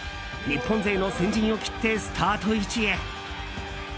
日本勢の先陣を切ってスタート位置へ。